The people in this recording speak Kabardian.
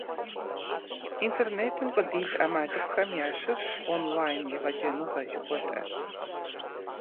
Интернетым къыдит ӀэмалыфӀхэм ящыщщ, «онлайн-егъэджэныгъэ» жыхуэтӀэр.